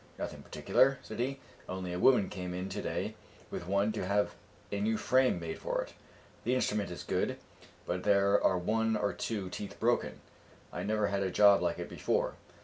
"Nothing particular," said he; "only a woman came in to day with one to have a new frame made for it. The instrument is good, but there are one or two teeth broken; I never had a job like it before."